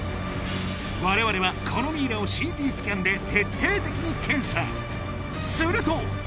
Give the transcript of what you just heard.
我々はこのミイラをＣＴスキャンで徹底的に検査すると！